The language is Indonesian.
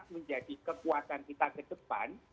menjadi kekuatan kita ke depan